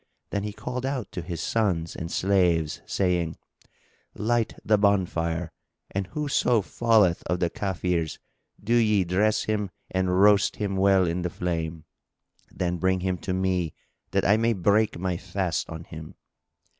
Then he called out to his sons and slaves, saying, "Light the bonfire, and whoso falleth of the Kafirs do ye dress him and roast him well in the flame, then bring him to me that I may break my fast on him!"